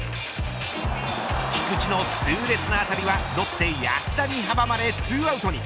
菊池の痛烈な当たりはロッテ安田に阻まれ２アウトに。